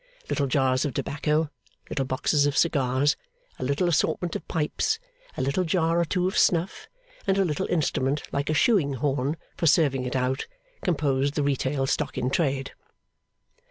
Little jars of tobacco, little boxes of cigars, a little assortment of pipes, a little jar or two of snuff, and a little instrument like a shoeing horn for serving it out, composed the retail stock in trade.